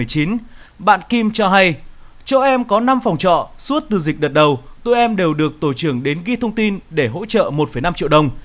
bạn kim cho hay châu em có năm phòng trọ suốt từ dịch đợt đầu tụi em đều được tổ trưởng đến ghi thông tin để hỗ trợ một năm triệu đồng